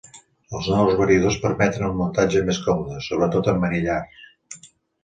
Els nous variadors permeten un muntatge més còmode, sobretot en manillars.